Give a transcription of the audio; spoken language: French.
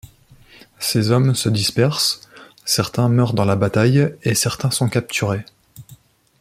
Ses hommes se dispersent, certains meurent dans la bataille et certains sont capturés.